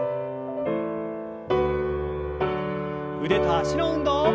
腕と脚の運動。